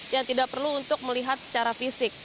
yang tidak perlu untuk melihat secara fisik